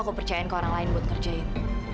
aku percayain ke orang lain buat ngerjain